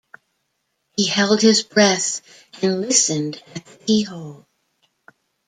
He held his breath, and listened at the key-hole.